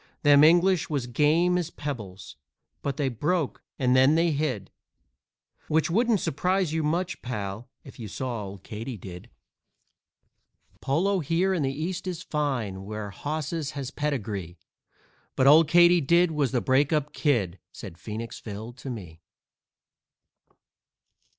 Them English was game as pebbles, but they broke and then they hid, Which wouldn't surprise you much, pal, if you saw Old Katydid. _"Polo here in the East is fine, where hosses has pedigree, But Old Katydid was the break up Kid," said Phoenix Phil to me.